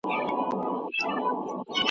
موږ د روښانه سبا هیله لرو.